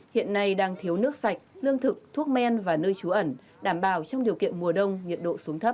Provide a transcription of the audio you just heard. hiện nay đang thiếu nước sạch lương thực thuốc men và nơi trú ẩn đảm bảo trong điều kiện mùa đông nhiệt độ xuống thấp